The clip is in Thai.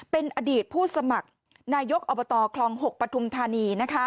เป็นอดีตผู้สมัครนายกอบตคลอง๖ปฐุมธานี